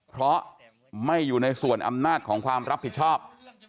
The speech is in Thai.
เพราะไม่อยู่ในส่วนอำนาจของความรับผิดชอบ